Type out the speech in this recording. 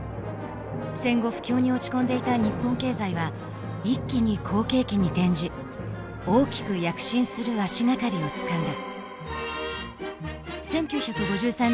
戦後不況に落ち込んでいた日本経済は一気に好景気に転じ大きく躍進する足がかりをつかんだ。